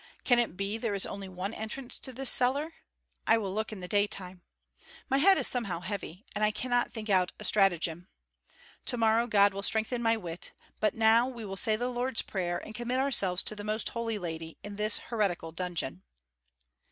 Can it be there is only one entrance to this cellar? I will look in the daytime. My head is somehow heavy, and I cannot think out a stratagem. To morrow God will strengthen my wit; but now we will say the Lord's Prayer, and commit ourselves to the Most Holy Lady, in this heretical dungeon."